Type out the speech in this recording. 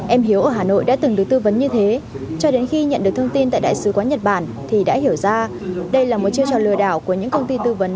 em hiếu ở hà nội đã từng được tư vấn như thế cho đến khi nhận được thông tin tại đại sứ quán nhật bản thì đã hiểu ra đây là một chiêu trò lừa đảo của những công ty tư vấn